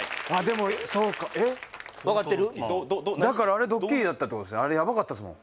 もうだからあれドッキリだったってことですね